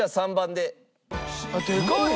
でかいよ！